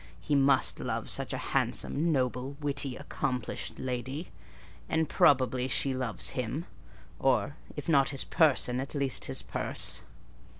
He must love such a handsome, noble, witty, accomplished lady; and probably she loves him, or, if not his person, at least his purse.